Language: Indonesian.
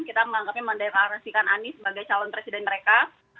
kita menganggapnya mendeklarasikan anies sebagai calon presiden mereka